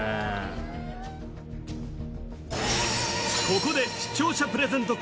ここで視聴者プレゼント